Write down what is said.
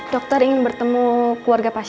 dokter ingin bertemu keluarga pasien